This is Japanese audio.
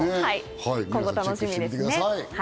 今後が楽しみですね。